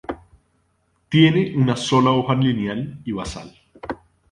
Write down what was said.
Tiene una sola hoja lineal y basal.